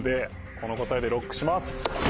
この答えでＬＯＣＫします。